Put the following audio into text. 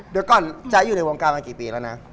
เดี๋ยวก่อนจะอยู่ในวงการมากี่ปีแล้วนะ